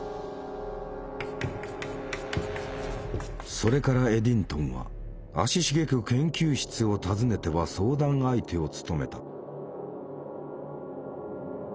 それからエディントンは足しげく研究室を訪ねては相談相手を務めた。